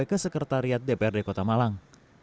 ke sekretariat dprd kota malang